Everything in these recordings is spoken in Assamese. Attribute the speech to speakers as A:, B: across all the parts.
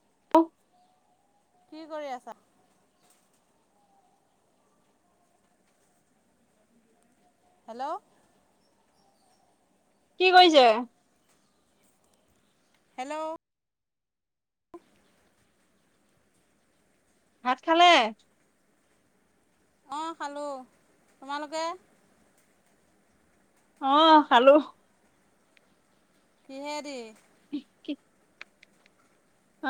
A: [unintelligible]
B: কি কৰি আছা? হেল্ল'।
A: কি কৰিছে?
B: হেল্ল'।
A: ভাত খালে?
B: অ' খালোঁ। তোমালোকে?
A: অ' খালোঁ।
B: কিহেদি?
A: [unintelligible]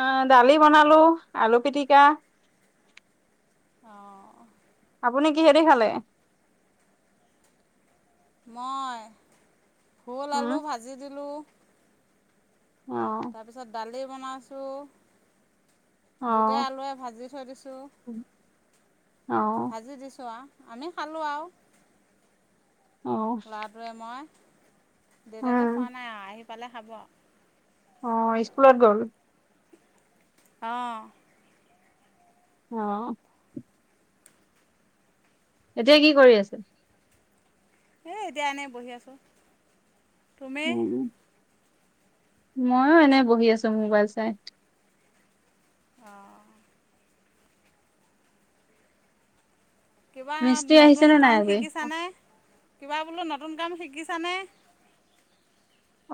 A: অ' দালি বনালো, আলু পিটিকা।
B: অ'।
A: আপুনি কিহেদি খালে?
B: মই! ভোল
A: উম,
B: আলু ভাজি দিলো।
A: অ',
B: তাৰপিছত দালি বনাইছো। বুটে
A: অ',
B: আলুৱে ভাজি থৈ দিছোঁ।
A: অ',
B: ভাজি দিছো আ আমি খালোঁ আৰু।
A: অ',
B: ল'ৰাটোৱে মই। দেউতাকে খোৱা
A: উম,
B: নাই আ আহি পালে খাব।
A: অ' স্কুলত গ'ল।
B: অঁ।
A: অঁ। এতিয়া কি কৰি আছে?
B: এ এতিয়া এনেই বহি আছো।
A: [unintelligible] মইয়ো এনেই বহি আছো মোবাইল চাই।
B: অঁ। কিবা
A: মিস্ত্ৰী আহিছে
B: নতুন
A: নে নাই
B: কাম
A: আজি?
B: শিকিছানে? কিবা বোলো নতুন কাম শিকিছানে?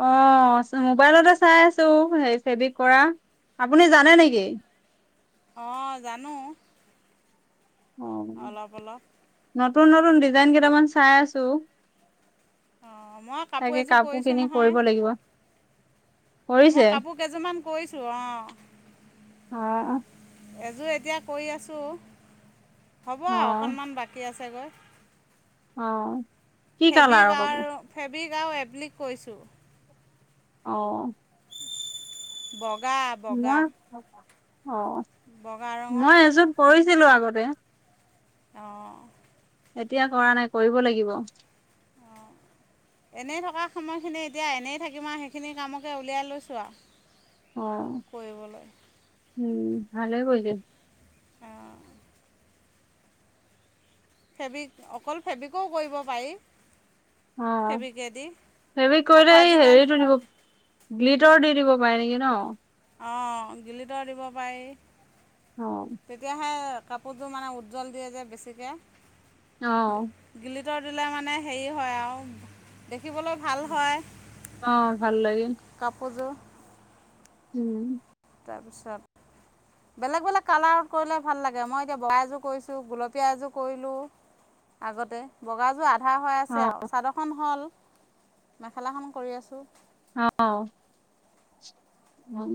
A: অ' চ- মোবাইলতে চাই আছো হেৰি ফেবিক কৰা। [unintelligible] আপুনি জানে নেকি?
B: অ' জানো।
A: অ' নত
B: অলপ অলপ
A: নতুন-নতুন ডিজাইন কেইটামান চাই আছো।
B: অ মই কাপোৰ
A: তাকে
B: এযোৰ
A: খিনি কৰিব
B: বৈয়নহয়,
A: লাগিব।
B: মই
A: কৰিছে?
B: কাপোৰ বইযোৰমান কৰিছো অ'।
A: অ',
B: এযোৰ এতিয়া কৰি আছো। হ'ব
A: অ',
B: অকণমান বাকী আছে। চাগৈ
A: অহ
B: ফেব্ৰিকৰ ফ্ৰেবিক আৰু এবলিক কৰিছোঁ
A: অহ'।
B: টিবক -
A: নোৱা অ'
B: বগা ৰঙৰ
A: মই এযোৰ কৰিছো। ছিলো আগতে।
B: অহ
A: এতিয়া কৰা নাই কৰিব লাগিব।
B: অ' এনেই থকা সময়খিনি এতিয়া এনেই থাকিম আৰু সেইখিনি কামকে উলিয়াই লৈছো আৰু
A: অহ'
B: কৰিবলৈ
A: উম। ভালে কৰিলি।
B: উম ফেব্ৰিক অকল ফেব্ৰিকোও কৰিব পাৰি।
A: অ'
B: ফেব্ৰিকেদি
A: ফ্ৰেবিক
B: আকৌ
A: কৰিলে এই
B: আজিকালি
A: হেৰিটো দিব গ্লিটাৰ দি দিব। নোৱাৰে নেকি ন
B: অ গিলতৰ দিব পাৰি।
A: অ',
B: তেতিয়াহে। কাপোৰযোৰ মানে উজ্জ্বল দিয়ে যে বেছিকে
A: অহ।
B: গিল্টাৰ দিলে মানে হেৰি হয় আৰু দেখিবলৈ ভাল হয়।
A: অ' ভাল লাগে।
B: কাপোৰযোৰ
A: উম।
B: তাৰপিছত বেলেগ-বেলেগ কালাৰত কৰিলে তাৰপিছত বেলেগ বেলেগ কালাৰ কৰিলে ভাল। মই এতিয়া বগা এযোৰ কৰিছো, গুলপীয়া এযোৰ কৰিলো, আগতে বগা এযোৰ আধা হৈ আছে
A: অ',
B: আৰু চাদৰখন হ'ল। মেখেলাখন কৰি আছোঁ।
A: অহ। উম।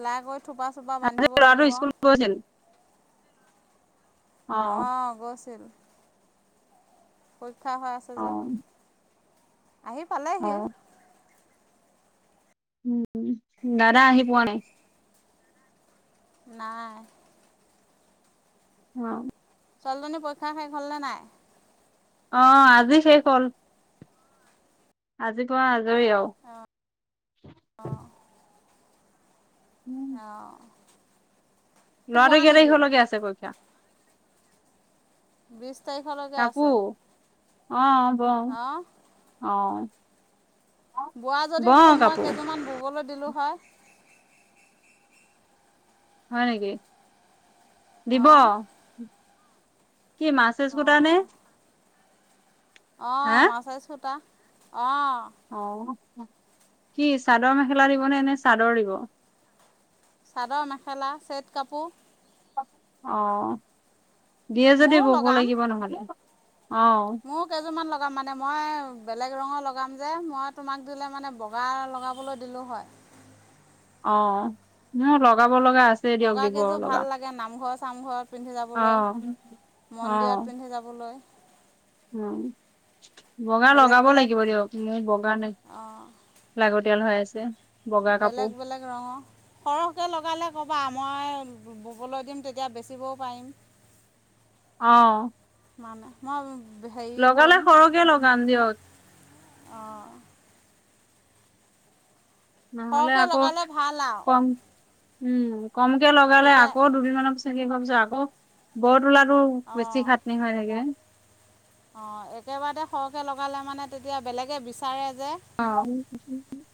B: চিলাই কৰি থোপা-চোপা বান্ধিব
A: ল'ৰাটো
B: লাগিব।
A: স্কুল গৈছিল?
B: অ গৈছিল পৰিক্ষা হৈ আছে যে,
A: অ',
B: আহি পালেহি
A: অ', উম দাদা আহি পোৱা নাই।
B: নাই
A: অ
B: ছোৱালীজনী পৰীক্ষা শেষ হ'লনে নাই?
A: অ আজি শেষ হ'ল আজিৰ পৰা আজৰি আজৰি আও,
B: আহ
A: লৰাটো কে তাৰিখলৈকে আছে পৰীক্ষা?
B: বিছ তাৰিখলৈকে আছে।
A: কাপোৰ অ বওঁ
B: অঁ
A: অ
B: বোৱা যদি
A: বওঁ
B: বোলো মই
A: কাপোৰ
B: কেইযোৰমান ববলৈ দিলো হয়‌,
A: হয় নেকি? দিব
B: অঁ
A: কি মাছেজ গোটা নে?
B: অ
A: হা
B: মাচেচ চোতা
A: অ কি চাদৰ মেখেলা দিব নে নে চাদৰ দিব?
B: চাদৰ মেখেলা চেট কাপোৰ,
A: অহ দিয়ে যদি বব লাগিব নহলে। অ'
B: মোৰ কেইযোৰমান লগাম মানে মই বেলেগ ৰঙৰ লগাম যে মই তোমাক দিলে মানে বগা লগাবলৈ দিলো হয়।
A: অ মোৰ‌ লগাব লগা আছে দিয়ক
B: বগা
A: দিব
B: কেইযোৰ ভাল
A: লগাম
B: লাগে নামঘৰ চামঘৰত পিন্ধি যাবলৈ
A: অ' অ'
B: মন্দিৰত পিন্ধি যাবলৈ।
A: উম বগা
B: বেলেগ
A: লগাব
B: বেলেগ
A: লাগিব দিয়ক মোৰ বগা
B: অ
A: লাগতিয়াল হৈ আছে বগা কাপোৰ
B: বেলেগ বেলেগ ৰঙৰ সৰহকে লগালে ক'বা মই, ববলৈ দিম তেতিয়া বেচিবও পাৰিম।
A: অ
B: মানে মই হেৰি
A: লগালে সৰকে লগাম দিয়ক।
B: অ।
A: নহ'লে
B: সৰহকৈ
A: আকৌ
B: লগালে ভাল আৰু
A: কম উম কমকে লগালে
B: তেতিয়া
A: আকৌ দুদিনমানৰ পিছত আকৌ ব বহুত। তোলাটো বেছি খাটনি হয় থাকে।
B: অ একেবাৰেতে সৰহকে লগালে মানে তেতিয়া বেলেগে বিচাৰে। যে
A: অ।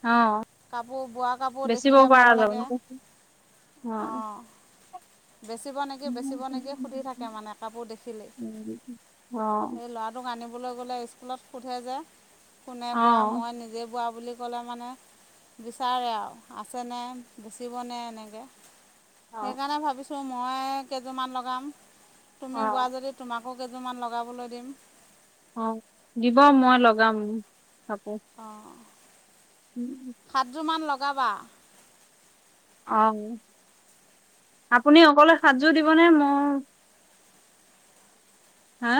B: কাপোৰ বোৱা কাপোৰ
A: বেচিব
B: দেখিলে
A: পৰা
B: ভাল
A: যাব
B: লাগে অ। বেচিব নেকি বেচিব নেকি সুধি থাকে মানে কাপোৰ দেখিলেই
A: অ', অ',
B: সেই ল'ৰাটোক আনিব- ক'বলৈ গ'লে স্কুলত সোধে যে। কোনে বোৱা মই নিজে বোৱা বুলি- গ'লে মানে। বিচাৰে আৰু আছেনে বেচিবনে এনেকে।
A: অ',
B: সেইকাৰণে ভাবিছোঁ। মই কেইযোৰমান লগাম। তুমি বোৱা
A: অ',
B: যদি তোমাক। কাপোৰ কেইযোৰমান লগাবলৈ দিম।
A: অ দিব মই লগাম। কাপোৰ
B: অ। সাতযোৰ মান লগ- লগাবা।
A: অ আপুনি অকলে সাজযোৰ দিবনে মই-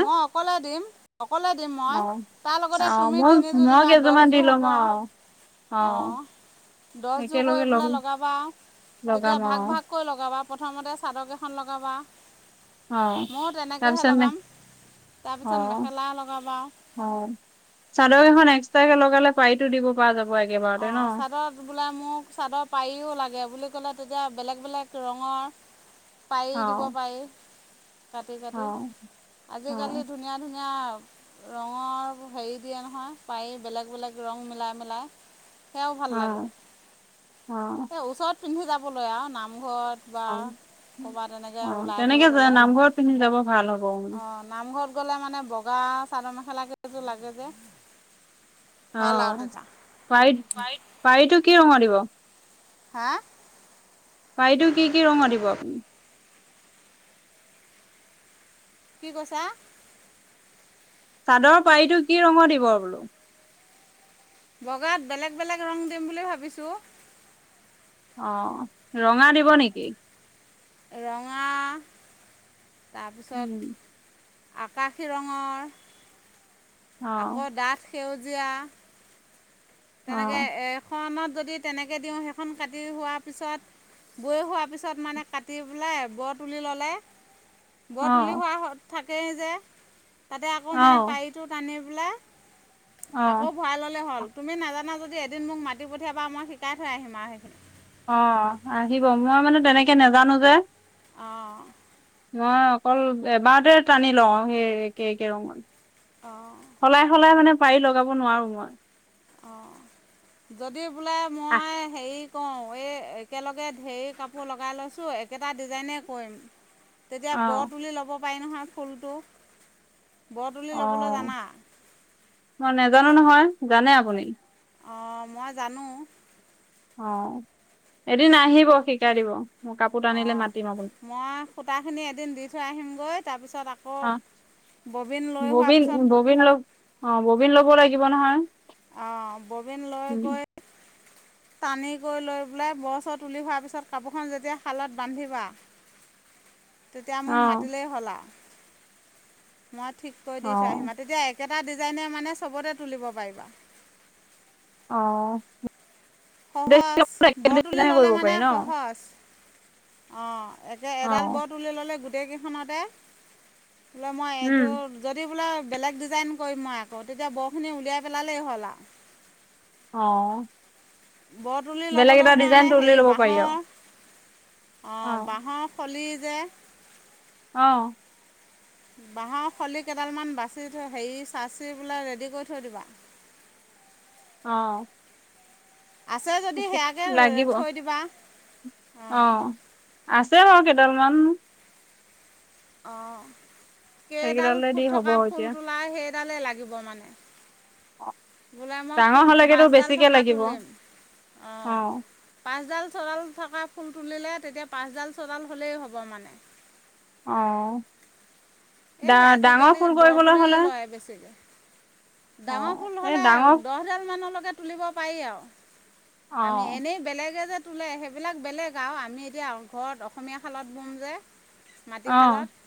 B: মই অকলে দিম। অকলে দিম মই
A: অ',
B: তাৰ লগতে
A: অ',
B: তুমি
A: মই
B: তিনিযোৰ
A: মই
B: দিবা
A: কেইযোৰমান দি
B: দহযোৰ হ'ব
A: ল'ম
B: অ
A: অ',
B: দহযোৰ
A: একেলগে
B: কৰিব
A: লগ
B: পেলাই লগাবা
A: লগাম
B: তেতিয়া ভাগ
A: অ',
B: ভাগ কৈ লগাবা। প্ৰথমতে চাদৰ কেইখন লগাবা।
A: হয়
B: ময়ো তেনেকৈহে
A: তাৰপিছতে।
B: লগাম
A: অ
B: তাৰপিছত মেখেলা লগাবা
A: অ চাদৰ কেইখন এক্স- তে লগালে পাৰিতো দিব পৰা যাব। একেবাৰতে
B: অ
A: ন
B: চাদত বোলে মোক চাদৰ পাৰিও লাগে বুলি। ক'লে তেতিয়া বেলেগ বেলেগ ৰঙৰ-
A: অ
B: পায়ি দিব পাৰি। কাটি কাটি
A: অ অ
B: আজিকালি ধুনীয়া ধুনীয়া- ৰঙৰ হেৰি দিয়ে নহয় পাৰি বেলেগ বেলেগ ৰং মিলাই মিলাই। সেয়াও ভাল
A: অ
B: লাগে,
A: অ
B: এ ওচৰত চুন যাবলৈ আও নামঘৰত বা
A: অ
B: ক'ৰবাত এনেকৈ
A: অ
B: ওলাই কৰি
A: তেনেকে যে
B: গ'লে
A: নামঘৰত পিন্ধি যাব ভাল হ'ব, উ
B: অঁ নামঘৰত গ'লে মানে বগা চাদৰ মেখেলা কেইযোৰ লাগে যে, হা লাও তেতা
A: পাৰীত পাৰীটো কি ৰঙৰ দিব?
B: হা
A: পানীটো কি কি ৰঙৰ দিব আপুনি?
B: কি কৈছা?
A: চাদৰ পাৰীটো কি ৰঙৰ দিব বোলোঁ?
B: বগাত বেলেগ বেলেগ ৰং দিম বুলি ভাবিছোঁ।
A: অ ৰঙা দিব নেকি?
B: ৰঙা তাৰপিছত
A: উম
B: আকাশী ৰঙৰ
A: অ
B: আকৌ ডাঠ সেউজীয়া
A: অ
B: তেনেকে এখনত যদি তেনেকে দিওঁ সেইখন কাটি হোৱা পিছত বৈ হোৱাৰ পিছত মানে কাটি পেলাই বৰ তুলি ল'লে। বৰ
A: অ
B: তুলি হোৱা হত থাকেই যে। তাতে আকৌ
A: অ
B: মানে পাৰীটো টানি কুলা
A: অ
B: আকৌ ভৰা ললে হ'ল তুমি নাজানা যদি এদিন মোক মাতি পঠিয়াবা মই শিকাই থৈ আহিম আৰু সেইখিনি।
A: অ আহিব মই মানে তেনেকে নাজানো যে।
B: অঁ
A: মই অকল এবাৰতে টানি লওঁ সেই এক কে ৰঙৰ। সলাই সলাই মানে পাৰি লগাব নোৱাৰো মই
B: অ যদিওব বোলে মই হেৰি কওঁ এই একেলগে ঢেৰ কাপোৰ লগাই লৈছোঁ একেটা ডিজাইনে কৰিম। তেতিয়া
A: অ
B: ব তুলি ল'ব। পায় নহয় ফুলটো। বৰ তুলি
A: অ
B: ল'বলৈ জানা
A: মই নাজানো নহয়। জানে আপুনি?
B: অ মই জানো।
A: অ, এদিন আহিব শিকাই দিব। মোৰ কাপোৰ
B: অ,
A: টানিলে মাতিম আপুনি
B: মই সূতাখিনি এদিন দি থৈ আহিমগৈ তাৰপিছত আকৌ
A: অ
B: ববিন লৈ হোৱাৰ
A: ববিন
B: পিছত
A: থাকিব নহয়।
B: অ ববিন লয় গৈ টানি কৰি লৈ পেলাই বৰ চৰ তোলি হোৱাৰ পিছত কাপোৰখন যেতিয়া শালত বান্ধিবা তেতিয়া
A: অ
B: মোক মাতিলেই হল আ। মই ঠিক কৰি
A: অ
B: দি থই আহিম মাতি দিয়া একেবাৰে এটা ডিজাইনে মানে চবতে তুলিব পাৰিবা।
A: অ।
B: সহজ, বৰ তুলি
A: ডিজাইনে
B: ল'লে
A: কৰিব পাৰি
B: মানে
A: ন
B: সহজ, অ একে
A: অ
B: এডাল বৰ তুলি ললে গো গোটেই কেইখনতে বোলে মই
A: উম
B: এইটো যদি বোলে বেলেগ ডিজাইন কৰিম মই আকৌ তেতিয়া বৰ খিনি উলিয়াই পেলালেই হ'ল আ।
A: অহ।
B: বৰ তুলি ল'বলৈ কাৰণে হেৰি,
A: ল'ব পাৰি আৰু
B: বাঁহৰ অ বাহৰ খলি যে
A: অহ।
B: বাঁহৰ খলি কেইডালমান বাচি থ হেৰি চাচি কৰি ৰেডি কৰি থৈ দিবা।
A: আহ।
B: আছে যদি সেয়াকে
A: লাগিব,
B: থৈ দিবা
A: অ
B: অঁ
A: আছে বাৰু কে ডালমান।
B: অ। কেইডাল
A: সেইকেইডালে দি
B: ফুট
A: হ'ব
B: থকা ফুল
A: এতিয়া
B: তোলাই সেই ডালে লাগিব মানে। বোলে মই
A: ডাঙৰ
B: ফুলটো
A: হলেগেতো
B: পাচডাল
A: বেছিকে
B: থকা
A: লাগিব
B: তুলিম,
A: অ
B: অ পাচডাল চডাল থকা ফুল তুলিলে তেতিয়া পাচডাল চডাল হ'লেই হ'ব মানে।
A: অহ।
B: এই আজিকালি বৰ
A: হলে
B: তুলিয়ে লয় বেছিকে।
A: অ
B: ডাঙৰ ফুল
A: এই
B: হলে,
A: ডাঙৰ
B: দহ ডাল মানৰ ল তুলিব পাৰি আৰু।
A: অ
B: আমি এনেই বেলেগে যে তোলে সেইবিলাক বেলেগ আৰু আমি এতিয়া ঘৰত অসমীয়া খালত বম যে
A: অ
B: মাটিশালত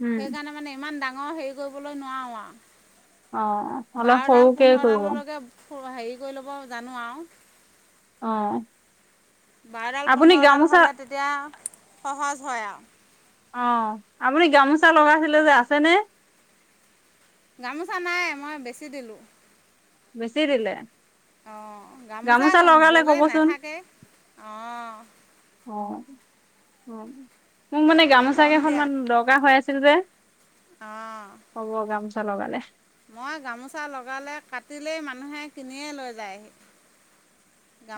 A: উম
B: সেইকাৰণে মানে ইমান ডাঙৰ ঙৰ হেৰি কৰিবলৈ নোৱাৰো আৰু
A: অ অলপ
B: বাৰডাল
A: সৰুকে কৰিব
B: পোন্ধৰডাললৈকে হেৰি কৰি ল'ব জানো আৰু
A: অ
B: বাৰডাল
A: আপুনি
B: পোন্ধৰডাল
A: গামোচা
B: হলে তেতিয়া সহজ হয় আও
A: অ আপুনি গামোচা লগাইছিলে যে আছেনে
B: গামোচা নাই মই বেছি দিলো
A: বেছি দিলে
B: অ অ গামোচা
A: লগালে
B: বলে
A: কবচোন
B: নাথাকে অ
A: উম মোক মানে গামোচা
B: কম
A: কেইখনান দৰকাৰ হৈ আছে সেটো যে
B: অহ
A: ক'ব গামোচা লগালে
B: মই গামোচা লগালে কাটিলেই মানুহে কিনিয়ে লৈ যায়হি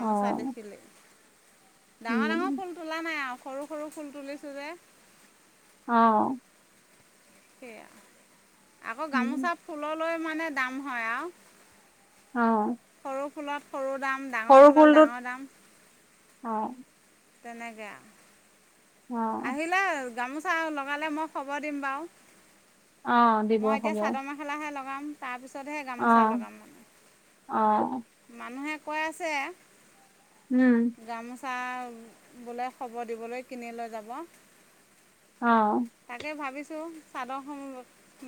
A: অ
B: দেখিলে ডাঙৰ ডাঙৰ
A: উম
B: ফুল তোলা নাই আৰু সৰু সৰু ফুল তুলিছোঁ যে
A: অহ
B: সেয়া আকৌ
A: উম
B: গামোচা ফুলৰ লৈ মানে দাম হয় আৰু
A: অ
B: ফোলত সৰু দাম ডাঙৰ
A: সৰু
B: ফোলত
A: ফুলটোত
B: ডাঙৰ দাম
A: অ
B: তেনেকে
A: অ',
B: আহিলে গামোচা চাও লগালে মই খবৰ দিম বাৰু
A: অ দিব হব
B: কাম তাৰ পিছত পিছতহে গামোচা
A: অ',
B: লগাম
A: অ',
B: মানুহে কৈ আছে
A: উম
B: গামোচা বোলে খবৰ দিবলৈ কিনি লৈ যাব
A: অ',
B: তাকে ভাবিছো চাদৰ সম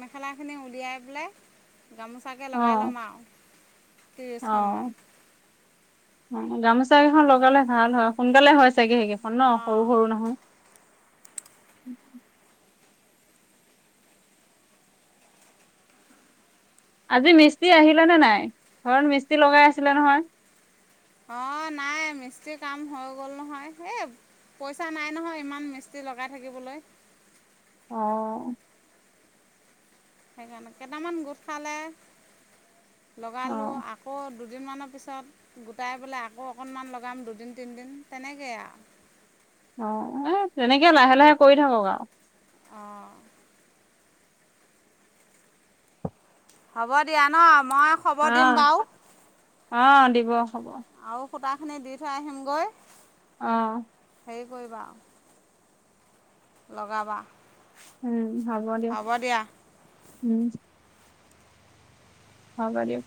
B: মেখেলা খিনি উলিয়াই পেলাই গামোচাকে লগাই
A: অ',
B: ল'ম আও ত্ৰিছখনমান
A: উ গামোচা কেইখন লগালে ভাল হয় সোনকালে হয় চাগে সেকেখন ন সৰু
B: অঁ
A: সৰু নহয় উম আজি মিস্ত্ৰী আহিলে নে নাই ঘৰত মিস্ত্ৰী লগাই আছিলে নহয়
B: অ নাই মিস্ত্ৰী কাম হৈ গ'ল নহয় এই পইচা নাই নহয় ইমান মিস্ত্ৰী লগাই থাকিবলৈ
A: অ
B: সেইকাৰণে কেইটামান গোট খালে লগালো
A: অ',
B: আকৌ দুদিনমানৰ পিছত গোটাই পেলাই আকৌ অকণমান লগাম দুদিন তিনিদিন তেনেকেই আৰু
A: অ এ তেনেকে লাহে লাহে কৰি থাকক আও
B: অঁ হ'ব দিয়া ন মই খবৰ
A: অ
B: দিম বাৰু
A: অ দি ব হ'ব
B: সূতা খিনি দি থৈ আহিমগৈ
A: অহ
B: হেৰি কৰিবা লগাবা
A: উম হব দিয়ক উম হব দিয়ক